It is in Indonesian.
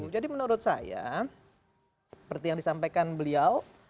menurut saya seperti yang disampaikan beliau